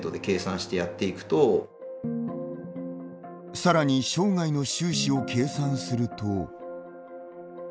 さらに生涯の収支を計算すると。